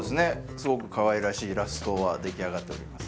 すごくかわいらしいイラストはできあがっております